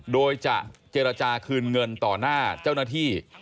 โดยจะเจรจาคืนเงินต่อหน้าเจ้าหน้าที่